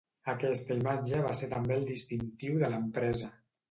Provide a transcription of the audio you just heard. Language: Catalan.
Aquesta imatge va ser també el distintiu de l'empresa.